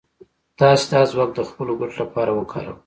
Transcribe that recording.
تاسې دا ځواک د خپلو ګټو لپاره وکاروئ.